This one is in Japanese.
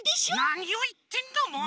なにをいってんだもう！